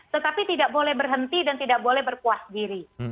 tetapi tidak boleh berhenti dan tidak boleh berpuas diri